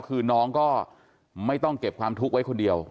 คือน้องก็ไม่ต้องเก็บความทุกข์ไว้คนเดียว